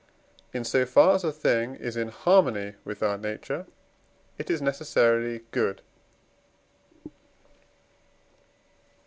In so far as a thing is in harmony with our nature, it is necessarily good.